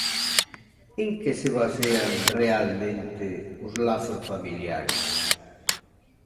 En que se basean, realmente, os lazos familiares?